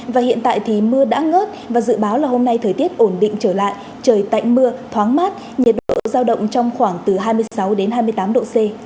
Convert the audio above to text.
và hiện tại thì mưa đã ngớt và dự báo là hôm nay thời tiết ổn định trở lại trời tạnh mưa thoáng mát nhiệt độ giao động trong khoảng từ hai mươi sáu đến hai mươi tám độ c